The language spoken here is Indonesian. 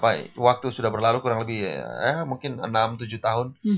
dan waktu itu tahun berlalu kurang lebih ya mungkin enam tujuh tahun